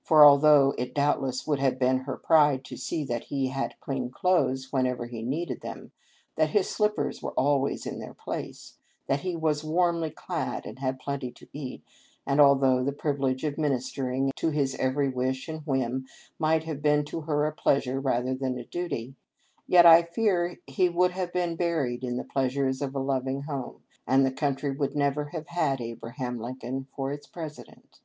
For, although it doubtless would have been her pride to see that he had clean clothes whenever he needed them ; that his slippers were always in their place ; that he was warmly clad and had plenty to eat ; and, although the privilege of ministering to his every wish and whim might have been to her a pleasure rather than a duty ; yet I fear he would have been buried in the pleasures of a loving home, and the country would never have had Abraham Lincoln for its President."